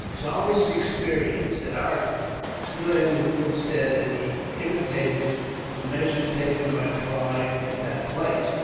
Charlie's experience at Arcot stood him in good stead, and he imitated the measures taken by Clive at that place.